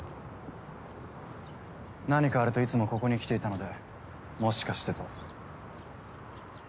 何かあるといつもここに来ていたのでもしかしてと。